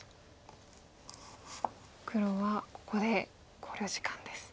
黒はここで考慮時間です。